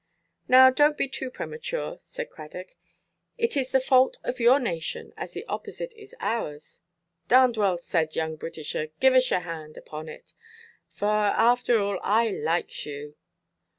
"Now, donʼt be too premature," said Cradock, "it is the fault of your nation, as the opposite is ours." "Darned well said, young Britisher, give us your hand' upon it; for, arter all, I likes yoo."